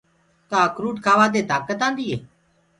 ڪآ اکروُٽ ڪآوآ دي تآڪت آندي هي۔